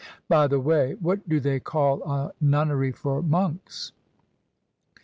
By the way, what do they call a nunnery for monks?